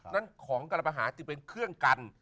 นั้นของกรประหารจึงเป็นเครื่องกัน